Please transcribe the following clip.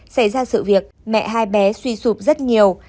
xảy ra sự việc mẹ hai bé suy sụp rất nhiều